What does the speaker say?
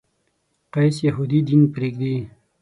قیس یهودي دین پرېږدي.